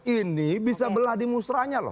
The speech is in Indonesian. ini bisa belah di musrahnya loh